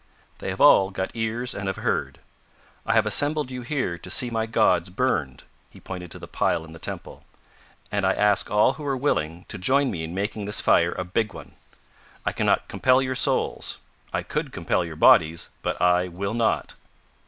They have all got ears and have heard. I have assembled you here to see my gods burned (he pointed to the pile in the temple), and I ask all who are willing, to join me in making this fire a big one. I cannot compel your souls. I could compel your bodies, but I will not!"